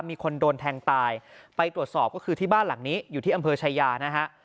มีคนโดนแทงตายไปตรวจสอบก็คือที่บ้านหลังนี้อยู่ที่อำเภอชายานะฮะ